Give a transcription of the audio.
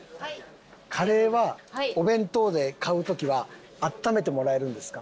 カレーはお弁当で買う時は温めてもらえるんですか？